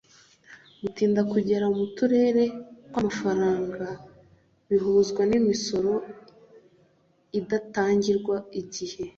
Gutinda kugera mu turere kw’amafaranga bihuzwa n’imisoro idatangirwa igihe